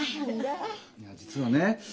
いや実はね